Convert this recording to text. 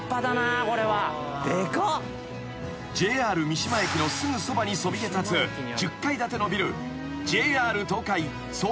［ＪＲ三島駅のすぐそばにそびえたつ１０階建てのビル］